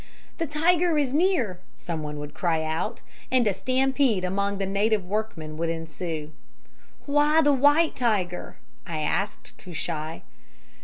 "'The tiger is near,' someone would cry out, and a stampede among the native workmen would ensue. "'Why the white tiger?' I asked Cushai.